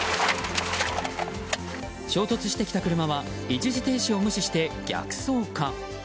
衝突してきた車は一時停止を無視して逆走か。